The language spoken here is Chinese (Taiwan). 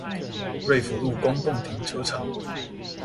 瑞福路公共停車場